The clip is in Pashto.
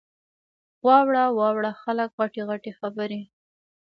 واړه واړه خلک غټې غټې خبرې!